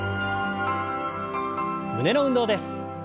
胸の運動です。